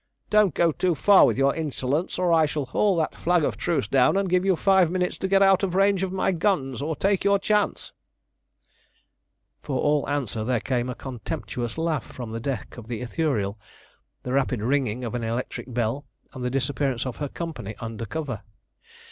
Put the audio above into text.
Don't go too far with your insolence, or I shall haul that flag of truce down and give you five minutes to get out of range of my guns or take your chance" For all answer there came a contemptuous laugh from the deck of the Ithuriel, the rapid ringing of an electric bell, and the disappearance of her company under cover.